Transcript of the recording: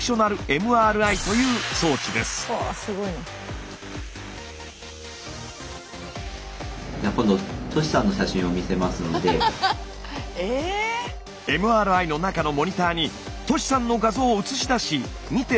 ＭＲＩの中のモニターにトシさんの画像を映し出し見てもらいます。